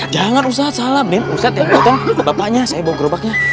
jangan ustadz salah ben ustadz yang bawa bapaknya saya yang bawa gerobaknya